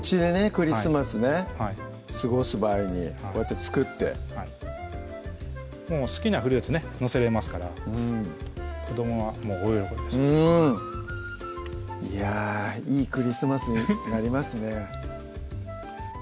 クリスマスね過ごす場合にこうやって作ってもう好きなフルーツね載せれますから子どもは大喜びですうんいやいいクリスマスになりますね